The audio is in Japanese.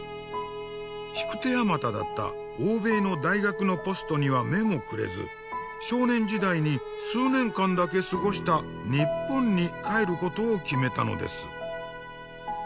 引く手あまただった欧米の大学のポストには目もくれず少年時代に数年間だけ過ごした日本に帰ることを決めたのです。